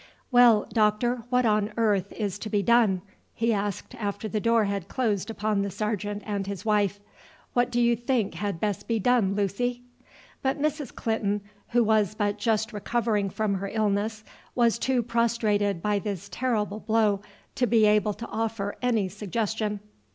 "Well, doctor, what on earth is to be done?" he asked after the door had closed upon the sergeant and his wife. "What do you think had best be done, Lucy?" But Mrs. Clinton, who was but just recovering from her illness, was too prostrated by this terrible blow to be able to offer any suggestion.